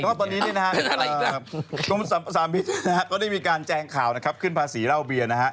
ตอนนี้กรมสัมภาษามิตรได้มีการแจงข่าวขึ้นภาษีร่าวเบียร์